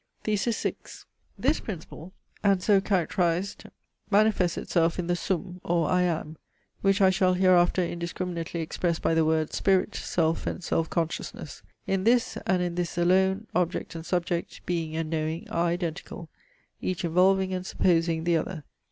THESIS VI This principle, and so characterised manifests itself in the SUM or I AM; which I shall hereafter indiscriminately express by the words spirit, self, and self consciousness. In this, and in this alone, object and subject, being and knowing, are identical, each involving and supposing the other.